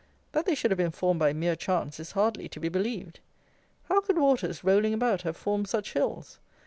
That they should have been formed by mere chance is hardly to be believed. How could waters rolling about have formed such hills?